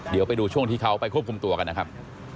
เดี๋ยวไปดูช่วงที่เขาไปควบคุมตัวกันนะครับ